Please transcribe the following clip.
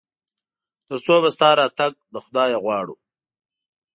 تر څو به ستا راتګ له خدايه غواړو ؟